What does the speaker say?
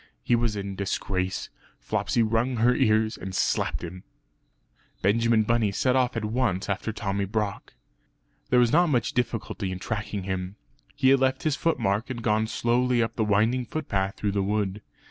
He was in disgrace; Flopsy wrung her ears, and slapped him. Benjamin Bunny set off at once after Tommy Brock. There was not much difficulty in tracking him; he had left his foot mark and gone slowly up the winding footpath through the wood.